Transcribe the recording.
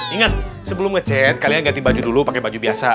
ingat sebelum ngecet kalian ganti baju dulu pakai baju biasa